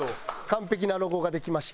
完璧なロゴができました。